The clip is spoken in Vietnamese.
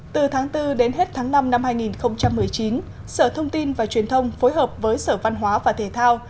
từ tháng bốn đến hết tháng năm năm hai nghìn một mươi chín sở thông tin và truyền thông phối hợp với sở văn hóa và thể thao